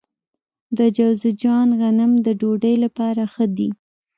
د جوزجان غنم د ډوډۍ لپاره ښه دي.